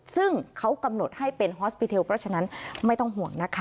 ซึ่งเขากำหนดให้เป็นฮอสปิเทลเพราะฉะนั้นไม่ต้องห่วงนะคะ